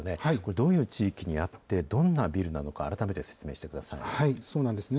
どういう地域にあって、どんなビルなのか、改めて説明してくださそうなんですね。